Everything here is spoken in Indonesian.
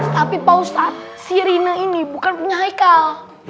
tapi pak ustadz si rina ini bukan punya haikal